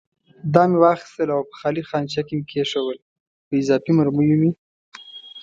دا مې واخیستل او په خالي خانچه کې مې کېښوول، په اضافي مرمیو مې.